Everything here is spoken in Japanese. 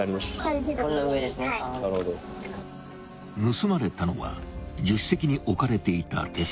［盗まれたのは助手席に置かれていた］